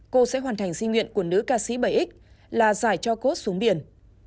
cô sẽ hoàn thành di nguyện của nữ ca sĩ bảy x là giải cho cốt xuống biển